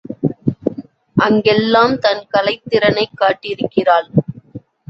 அங்கெல்லாம் தன் கலைத் திறனைக் காட்டியிருக்கிறாள்.